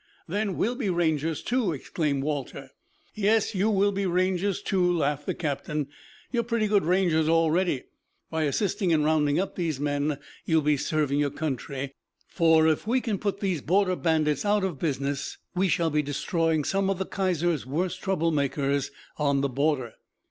"Then we will be Rangers, too," exclaimed Walter. "Yes, you will be Rangers, too," laughed the captain. "You are pretty good rangers already. By assisting in rounding up these men you will be serving your country, for, if we can put these Border Bandits out of business, we shall be destroying some of the Kaiser's worst trouble makers on the border."